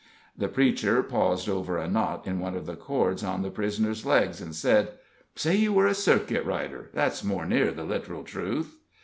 The preacher paused over a knot in one of the cords on the prisoner's legs, and said: "Say you were a circuit rider that's more near the literal truth."